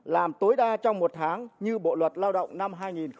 làm tối đa trong một tháng như bộ luật lao động năm hai nghìn một mươi năm